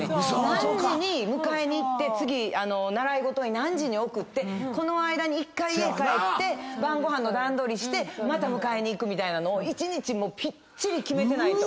何時に迎えに行って次習い事に何時に送ってこの間に１回家帰って晩ご飯の段取りしてまた迎えに行くみたいなのを一日ぴっちり決めてないと。